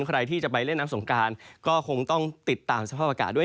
ใครที่จะไปเล่นน้ำสงการก็คงต้องติดตามสภาพอากาศด้วย